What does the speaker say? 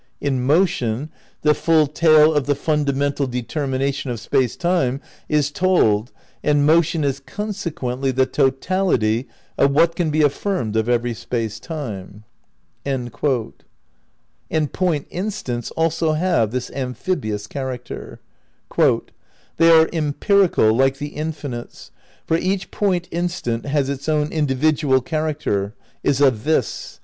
'".. .in motion the full tale of the fundamental determination of Space Time is told and motion is consequently the totality of what can be affirmed of every Space Time." ' And point instants also have this amphibious char acter. "They are empirical, like the infinites, for each point instant has its own individual character, is a 'this'.